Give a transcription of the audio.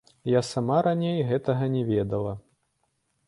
Я сама раней гэтага не ведала.